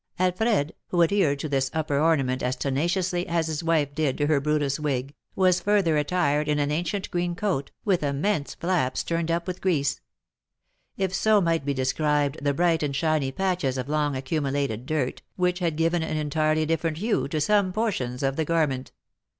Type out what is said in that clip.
Alfred, who adhered to this upper ornament as tenaciously as his wife did to her Brutus wig, was further attired in an ancient green coat, with immense flaps turned up with grease, if so might be described the bright and shiny patches of long accumulated dirt, which had given an entirely different hue to some portions of the garment.